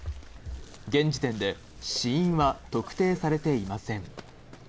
現時点で死因は特定されていません。